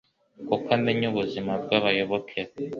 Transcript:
kuko amenya ubuzima bw’abayoboke be